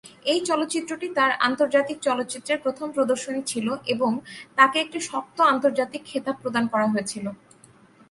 এই চলচ্চিত্রটি তার আন্তর্জাতিক চলচ্চিত্রের প্রথম প্রদর্শনী ছিল, এবং তাকে একটি শক্ত আন্তর্জাতিক খেতাব প্রদান করা হয়েছিল।